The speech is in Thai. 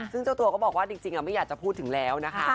ซึ่งเจ้าตัวก็บอกว่าจริงไม่อยากจะพูดถึงแล้วนะคะ